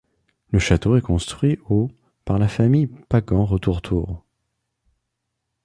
Le château est construit au par la famille Pagan-Retourtour.